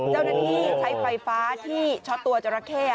เจ้าหน้าที่ใช้ไฟฟ้าที่ช็อตตัวจราเข้